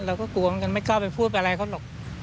เราก็กลัวเหมือนกันไม่กล้าไปพูดอะไรเขาหรอก